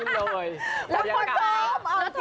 แล้วคนชอบเอาจริง